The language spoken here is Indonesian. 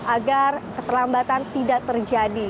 agar keterlambatan tidak terjadi